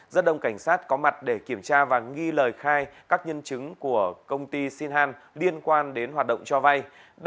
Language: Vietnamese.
rất đông cảnh sát có mặt để kiểm tra và nghi lời khai các nhân chứng của công ty sinh han liên quan đến hoạt động cho vay